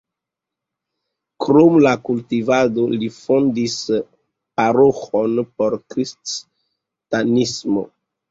Krom la kultivado li fondis paroĥon por kristanismo.